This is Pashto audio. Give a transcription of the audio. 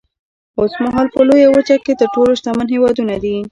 اوسمهال په لویه وچه کې تر ټولو شتمن هېوادونه دي.